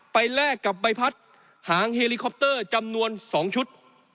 แลกกับใบพัดหางเฮลิคอปเตอร์จำนวน๒ชุด